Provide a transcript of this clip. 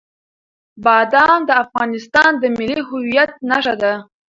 بادام د افغانستان د ملي هویت نښه ده.